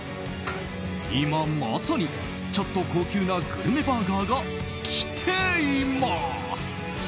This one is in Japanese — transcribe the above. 今まさに、ちょっと高級なグルメバーガーがきています！